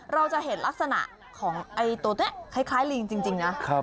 เราจะเห็นลักษณะของตัวนี้คล้ายลิงจริงนะ